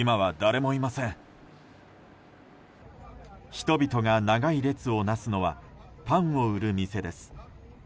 人々が長い列を成すのはパンを売る店です。